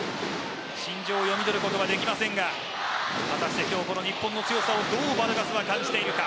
心情を読み取ることはできませんが果たして今日日本の強さをどうバルガスは感じているか。